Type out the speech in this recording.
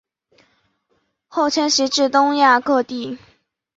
后迁徙至东亚各地。